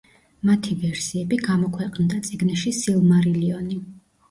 მათი ვერსიები გამოქვეყნდა წიგნში „სილმარილიონი“.